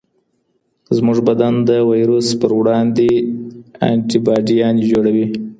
زموږ بدن د ویروس پروړاندې انټي باډیانې جوړوي.